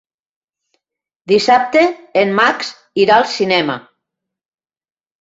Dissabte en Max irà al cinema.